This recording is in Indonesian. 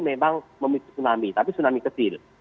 memang memicu tsunami tapi tsunami kecil